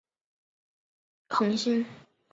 井宿增二是御夫座的一颗恒星。